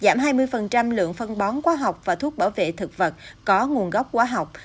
giảm hai mươi lượng phân bón khoa học và thuốc bảo vệ thực vật có nguồn gốc khoa học